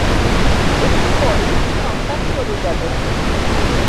একটু পরই সন্তান চলে যাবে।